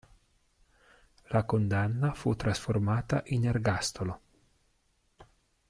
La condanna fu trasformata in ergastolo.